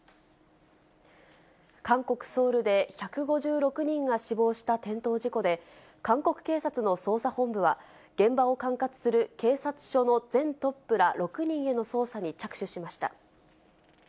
韓国・ソウルで１５６人が死亡した転倒事故で、韓国警察の捜査本部は、現場を管轄する警察署の全トップら６人への捜査に着手しました。